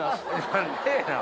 何でぇな？